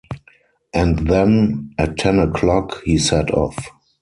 And then, at ten o’clock, he set off.